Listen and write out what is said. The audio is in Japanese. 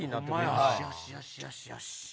よしよしよしよしよし。